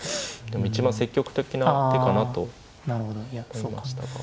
でも一番積極的な手かなと思いましたが。